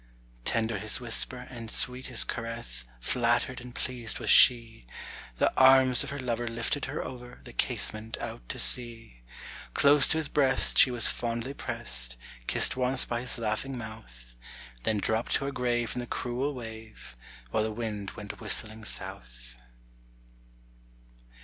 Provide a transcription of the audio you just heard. Tender his whisper and sweet his caress, Flattered and pleased was she, The arms of her lover lifted her over The casement out to sea. Close to his breast she was fondly pressed, Kissed once by his laughing mouth; Then dropped to her grave in the cruel wave While the wind went whistling south.